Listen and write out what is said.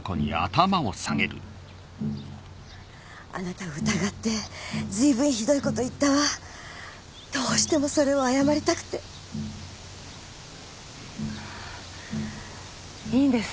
あなたを疑ってずいぶんひどいこと言どうしてもそれを謝りたくていいんです